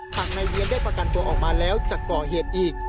หากนายเวียนได้ประกันตัวออกมาแล้วจะก่อเหตุอีก